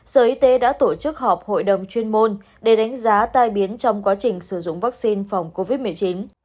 sở y tế đã tổ chức họp hội đồng chuyên môn để đánh giá tai biến trong quá trình sử dụng vaccine phòng covid một mươi chín